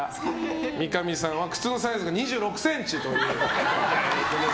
三上さんは靴のサイズが２６ｃｍということで。